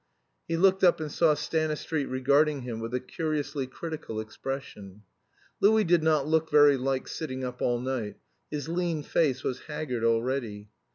He looked up and saw Stanistreet regarding him with a curiously critical expression. Louis did not look very like sitting up all night; his lean face was haggard already.